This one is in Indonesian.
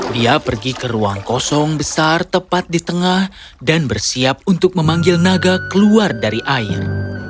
dia pergi ke ruang kosong besar tepat di tengah dan bersiap untuk memanggil naga keluar dari air